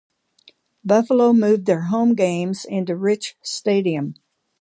Buffalo moved their home games into Rich Stadium.